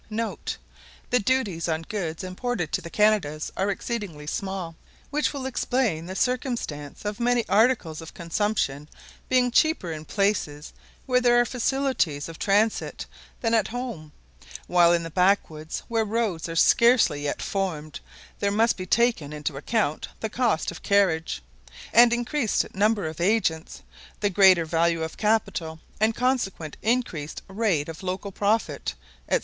[* The duties on goods imported to the Canadas are exceedingly small, which will explain the circumstance of many articles of consumption being cheaper in places where there are facilities of transit than at home; while in the Backwoods, where roads are scarcely yet formed, there must be taken into the account the cost of carriage, and increased number of agents; the greater value of capital, and consequent increased rate of local profit, &c.